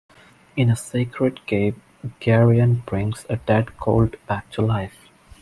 In a sacred cave, Garion brings a dead colt back to life.